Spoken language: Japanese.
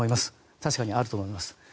確かにあると思います。